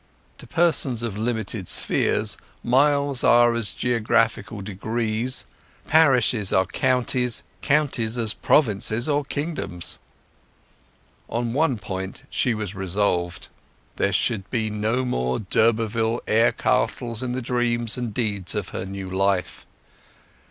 To persons of limited spheres, miles are as geographical degrees, parishes as counties, counties as provinces and kingdoms. On one point she was resolved: there should be no more d'Urberville air castles in the dreams and deeds of her new life.